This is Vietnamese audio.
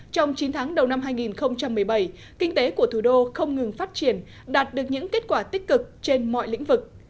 trong chín tháng đầu năm hai nghìn một mươi bảy kinh tế của thủ đô không ngừng phát triển đạt được những kết quả tích cực trên mọi lĩnh vực